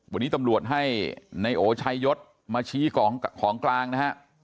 วันนี้ตำรวจให้นายโอชัยยศมาชี้ของกลางนะฮะ